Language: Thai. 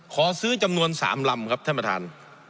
ขอซื้อจำนวน๓ลำครับท่านประธาน